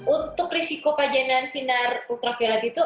untuk risiko pajanan sinar ultraviolet itu